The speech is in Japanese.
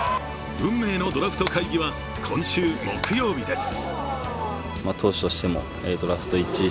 運命のドラフト会議は、今週木曜日です。